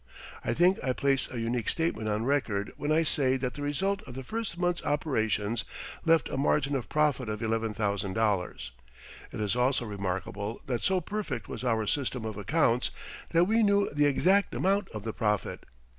I think I place a unique statement on record when I say that the result of the first month's operations left a margin of profit of $11,000. It is also remarkable that so perfect was our system of accounts that we knew the exact amount of the profit.